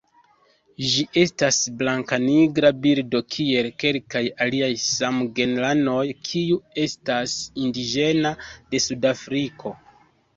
Ĝi estas blankanigra birdo kiel kelkaj aliaj samgenranoj kiu estas indiĝena de Suda Afriko.